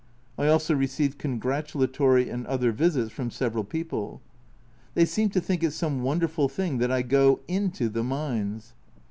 I also received congratulatory and other visits from several people. They seem to think it some wonderful thing that I go into the mines